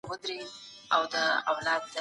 فطري غوښتنې بايد ونه ځپل سي.